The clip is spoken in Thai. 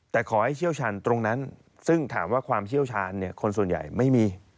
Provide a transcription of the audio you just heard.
แต่ขอให้เชี่ยวชาญตรงนั้นซึ่งถามว่าความเชี่ยวชาญคนส่วนใหญ่ไม่มี